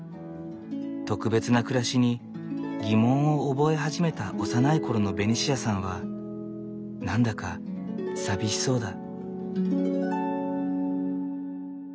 特別な暮らしに疑問を覚え始めた幼い頃のベニシアさんは何だか寂しそうだ。